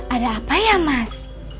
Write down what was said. ada apa ya mas